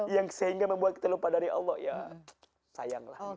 yang sehingga membuat kita lupa dari allah ya sayanglah